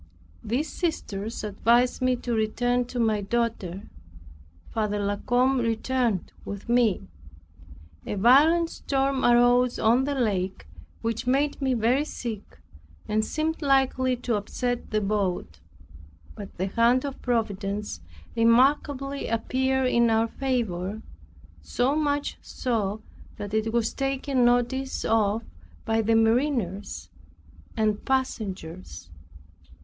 These sisters advised me to return to my daughter. Father La Combe returned with me. A violent storm arose on the Lake, which made me very sick, and seemed likely to upset the boat. But the hand of Providence remarkably appeared in our favor; so much so, that it was taken notice of by the mariners and passengers.